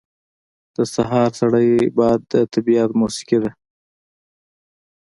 • د سهار سړی باد د طبیعت موسیقي ده.